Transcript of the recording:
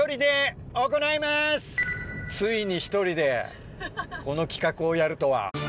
ついに１人でこの企画をやるとは。